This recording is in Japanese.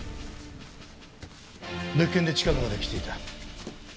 別件で近くまで来ていた。